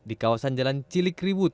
di kawasan jalan cilikriwood